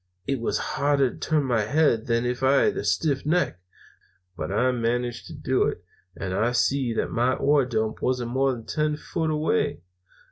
It was harder to turn my head than if I'd had a stiff neck; but I managed to do it, and I see that my ore dump wasn't more than ten foot away.